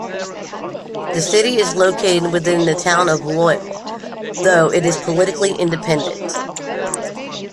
The city is located within the Town of Loyal, though it is politically independent.